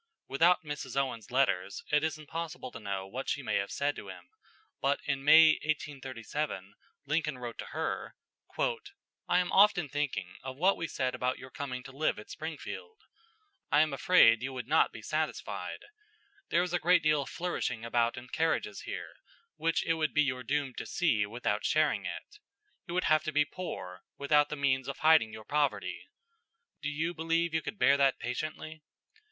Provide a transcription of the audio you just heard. Without Miss Owens's letters it is impossible to know what she may have said to him, but in May, 1837, Lincoln wrote to her: "I am often thinking of what we said about your coming to live at Springfield. I am afraid you would not be satisfied. There is a great deal of flourishing about in carriages here, which it would be your doom to see without sharing it. You would have to be poor, without the means of hiding your poverty. Do you believe you could bear that patiently?